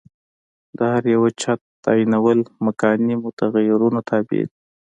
د هر یوه چت تعینول مکاني متغیرونو تابع دي.